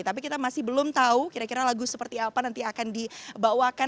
tapi kita masih belum tahu kira kira lagu seperti apa nanti akan dibawakan